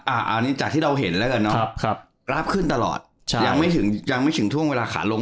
อันนี้จากที่เราเห็นแล้วกันนะกลับขึ้นตลอดยังไม่ถึงท่วงเวลาขาลง